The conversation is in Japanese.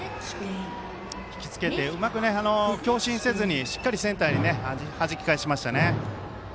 引きつけてうまく強振せずにしっかりセンターにはじき返しましたね。